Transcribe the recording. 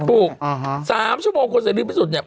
ถูก๓ชั่วโมงคนเสรีพิสุทธิ์เนี่ย